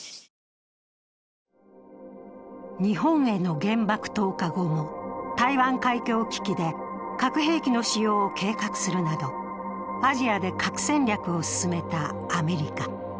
日本への原爆投下後も台湾海峡危機で核兵器の使用を計画するなどアジアで核戦略を進めたアメリカ。